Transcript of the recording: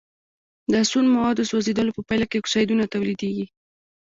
د سون موادو سوځیدلو په پایله کې اکسایدونه تولیدیږي.